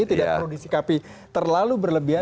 tidak perlu disikapi terlalu berlebihan